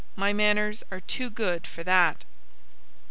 My manners are too good for that."